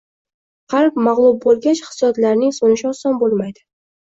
Qalb mag`lub bo`lgach, hissiyotlarning so`nishi oson bo`lmaydi